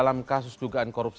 saya sudah harus